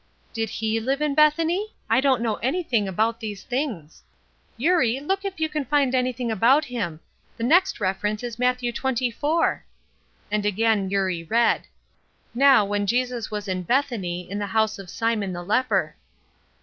"Did he live in Bethany? I don't know anything about these things." "Eurie, look if you can find anything about him. The next reference is Matthew xxvi." And again Eurie read: "'Now when Jesus was in Bethany, in the house of Simon the leper.'"